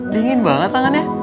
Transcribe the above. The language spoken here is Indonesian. dingin banget tangannya